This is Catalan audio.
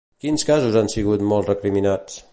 Quins casos han sigut molt recriminats?